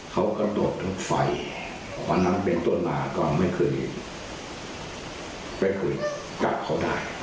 เขากระโดดรถไฟวันนั้นเป็นต้นหมาก็ไม่เคยกลับเขาได้